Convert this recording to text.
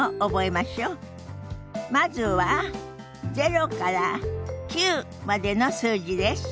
まずは０から９までの数字です。